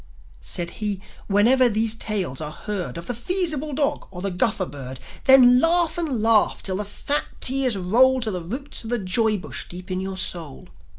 Said he: "Whenever these tales are heard Of the Feasible Dog or the Guffer Bird, Then laugh and laugh till the fat tears roll To the roots of the joy bush deep in your soul.